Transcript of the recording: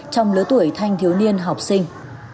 trong lứa tuổi thanh thiếu niên học sinh